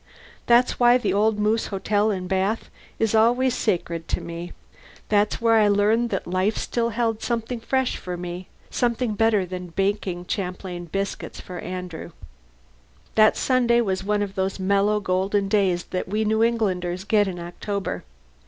That's why the old Moose Hotel in Bath is always sacred to me. That's where I learned that life still held something fresh for me something better than baking champlain biscuits for Andrew. That Sunday was one of those mellow, golden days that we New Englanders get in October.